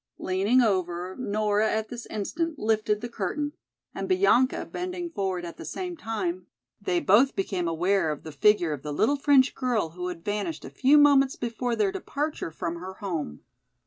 Leaning over, Nora at this instant lifted the curtain, and Bianca bending forward at the same time, they both became aware of the figure of the little French girl who had vanished a few moments before their departure from her home.